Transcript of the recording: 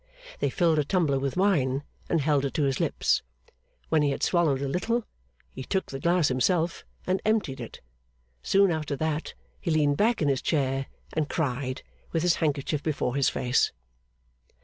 They filled a tumbler with wine, and held it to his lips. When he had swallowed a little, he took the glass himself and emptied it. Soon after that, he leaned back in his chair and cried, with his handkerchief before his face.